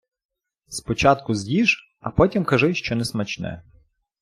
Спочатку з'їж, а потім кажи, що несмачне.